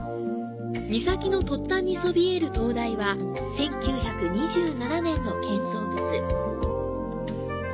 岬の突端にそびえる灯台は１９２７年の建造物。